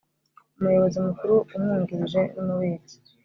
Umuyobozi mukuru umwungirije n umubitsi